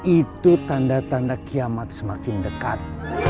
itu tanda tanda kiamat semakin dekat